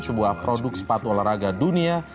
sebuah produk sepatu olahraga dunia